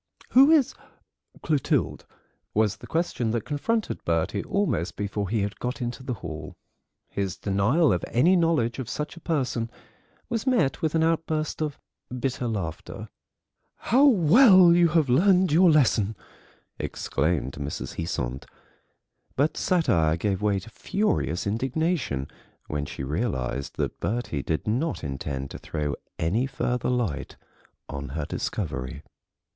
"Who is Clotilde?" was the question that confronted Bertie almost before he had got into the hall. His denial of any knowledge of such a person was met with an outburst of bitter laughter. "How well you have learned your lesson!" exclaimed Mrs. Heasant. But satire gave way to furious indignation when she realised that Bertie did not intend to throw any further light on her discovery.